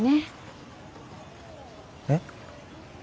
えっ？